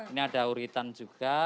ini ada uritan juga